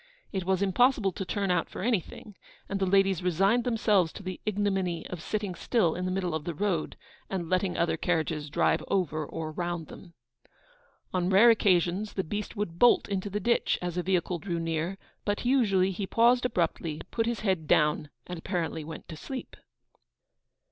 It was impossible to turn out for anything, and the ladies resigned themselves to the ignominy of sitting still, in the middle of the road, and letting other carriages drive over or round them. On rare occasions the beast would bolt into the ditch as a vehicle drew near; but usually he paused abruptly, put his head down, and apparently went to sleep.